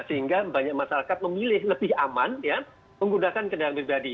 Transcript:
sehingga banyak masyarakat memilih lebih aman menggunakan kendaraan pribadi